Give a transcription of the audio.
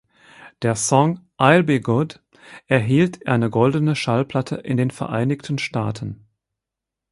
Der Song I’ll Be Good erhielt eine Goldene Schallplatte in den Vereinigten Staaten.